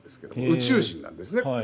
宇宙人なんです。